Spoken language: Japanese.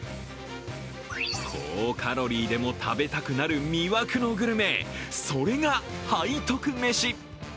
高カロリーでも食べたくなる魅惑のグルメ、それが背徳めし。